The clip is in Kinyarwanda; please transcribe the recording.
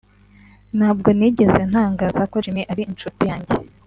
ntabwo nigeze ntangaza ko Jimmy ari incuti yanjye